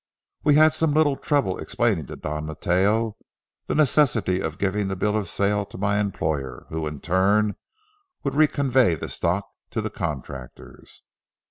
We had some little trouble explaining to Don Mateo the necessity of giving the bill of sale to my employer, who, in turn, would reconvey the stock to the contractors.